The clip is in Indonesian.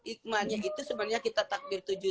ikmahnya itu sebenarnya kita takbir tujuh